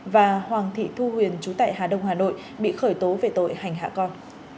và hoàng thị thu huyền chú tại hà đông hà nội bị khởi tố về tội hành hạ con